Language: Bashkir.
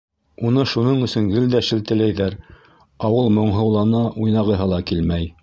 Уны шуның өсөн гел дә шелтәләйҙәр, ә ул моңһоулана, уйнағыһы ла килмәй.